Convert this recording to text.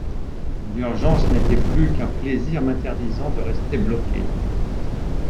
L’urgence n’était plus qu’un plaisir m’interdisant de rester bloqué.